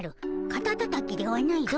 カタタタキではないぞ。